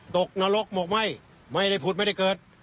กนรกบอกไม่ไม่ได้ผุดไม่ได้เกิด